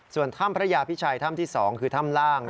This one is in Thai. ส่วนถ้ำพระยาพิชัยถ้ำที่๒คือถ้ำล่าง